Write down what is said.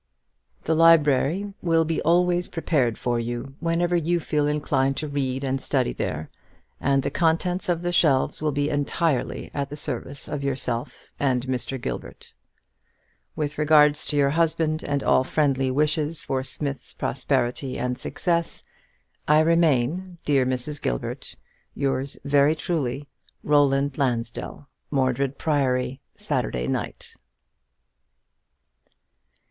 "The library will be always prepared for you whenever you feel inclined to read and study there, and the contents of the shelves will be entirely at the service of yourself and Mr. Gilbert. "With regards to your husband, and all friendly wishes for Smith's prosperity and success, "I remain, dear Mrs. Gilbert, "Yery truly yours, "ROLAND LANSDELL. _"Mordred Priory, Saturday night."